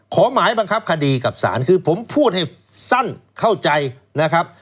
ขอหมายบังคับคดีกับศาลคือผมพูดให้สั้นเข้าใจนะครับ